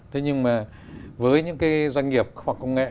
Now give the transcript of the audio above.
thế nhưng mà với những cái doanh nghiệp khoa học công nghệ